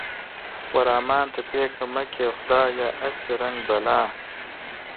و رحمان ته پېښه مه کړې خدايه هسې رنگ بلا